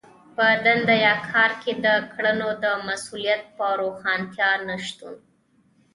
په دنده يا کار کې د کړنو د مسوليت د روښانتيا نشتون.